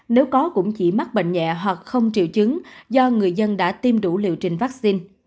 nếu có cũng chỉ mắc bệnh nhẹ hoặc không triệu chứng do người dân đã tiêm đủ liều trình vaccine